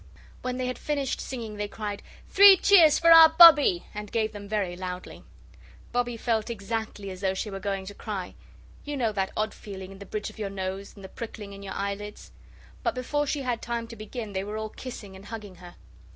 When they had finished singing they cried, "Three cheers for our Bobbie!" and gave them very loudly. Bobbie felt exactly as though she were going to cry you know that odd feeling in the bridge of your nose and the pricking in your eyelids? But before she had time to begin they were all kissing and hugging her.